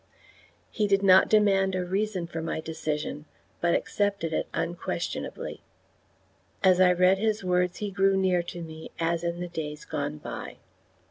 He did not demand a reason for my decision, but accepted it unquestionably. As I read his words he grew near to me, as in the days gone by.